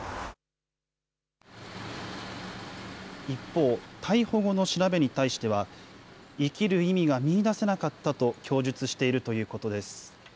一方、逮捕後の調べに対しては、生きる意味が見いだせなかったと供述しているということです。